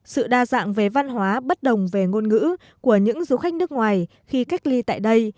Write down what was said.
sự đa dạng về văn hóa bất đồng về ngôn ngữ của những du khách nước ngoài khi cách ly tại đây